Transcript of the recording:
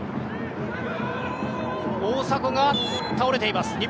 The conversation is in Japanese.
大迫が倒れています。